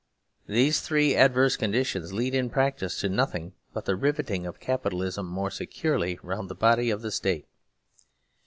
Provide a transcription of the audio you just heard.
These three adverse conditions lead in practice to nothing but the riveting of Capitalism more securely round the body of the State.